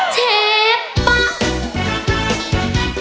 เทเป๊ะ